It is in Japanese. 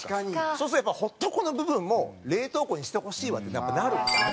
そうするとやっぱりホット庫の部分も冷凍庫にしてほしいわってやっぱなるんですね。